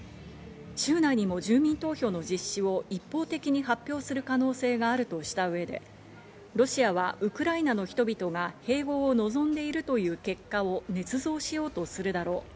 週内にも住民投票の実施を一方的に発表する可能性があるとした上で、ロシアはウクライナの人々が併合を望んでいるという結果をねつ造しようとするだろう。